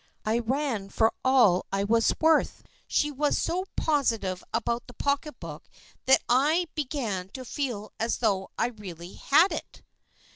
" I ran for all I was worth. She was so positive about the pocketbook that I began to feel as though I really had it.